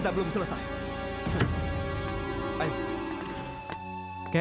terima kasih ku